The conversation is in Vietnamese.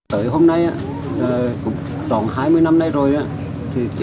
tới hôm nay á à cũng toàn hai mươi năm nay rồi á thì chỉ